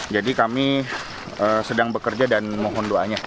jadi kami sedang bekerja dan mohon doanya